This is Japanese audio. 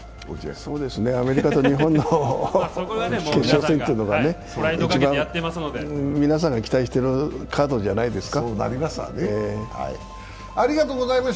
アメリカと日本の決勝戦というのが一番皆さんが期待してるカードじゃないですか。